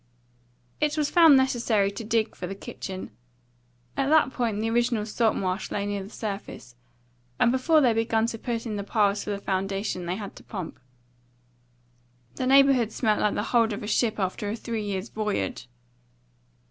It was found necessary to dig for the kitchen; at that point the original salt marsh lay near the surface, and before they began to put in the piles for the foundation they had to pump. The neighbourhood smelt like the hold of a ship after a three years' voyage.